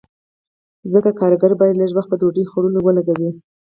ځکه کارګر باید لږ وخت په ډوډۍ خوړلو ولګوي